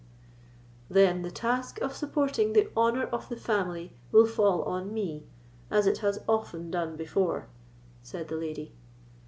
"Then the task of supporting the honour of the family will fall on me, as it has often done before," said the lady.